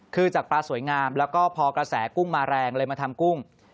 คือจากปลาสวยงามแล้วก็พอกระแสกุ้งมาแรงเลยมาทำกุ้ง